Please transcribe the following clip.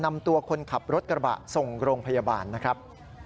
นำตัวคนขับรถกระบะส่งโรงพยาบาลนะครับ